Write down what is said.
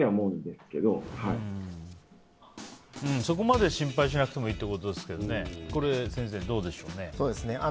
そこまで心配しなくてもいいってことですけど先生、どうでしょうね。